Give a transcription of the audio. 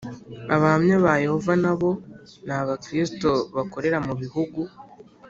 Abahamya ba Yehova na bo ni Abakristo bakorera mu bihugu